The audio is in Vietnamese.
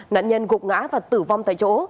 nạn nhân gục ngã và tử vong tại chỗ